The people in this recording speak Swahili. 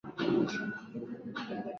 Kila uchao tunasherekea